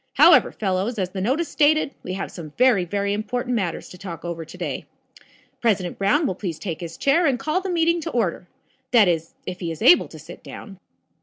However, fellows, as the notice stated, we have some very, very important matters to talk over to day. President Brown will please take his chair and call the meeting to order. That is, if he is able to sit down.